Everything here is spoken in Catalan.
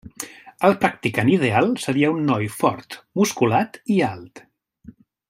El practicant ideal seria un noi fort, musculat i alt.